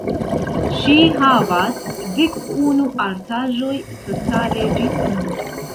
Ŝi havas dekunu artaĵoj totale ĝis nun.